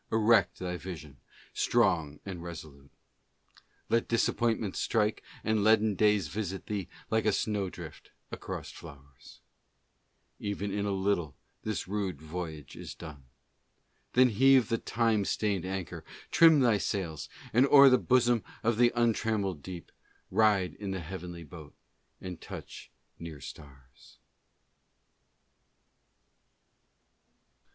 Erect thy vision, strong and resolute. Let disappointments strike, and leaden days Visit thee like a snowdrift across flowers ; Even in a little this rude voyage is done ; Then heave the time stained anchor, trim thy sails, And o'er the bosom of the untrammelled deep Ride in the heavenly boat and touch near stars."